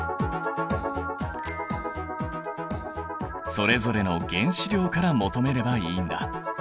それぞれの原子量から求めればいいんだ。